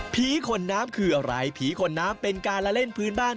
ขนน้ำคืออะไรผีขนน้ำเป็นการละเล่นพื้นบ้าน